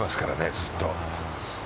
ずっと。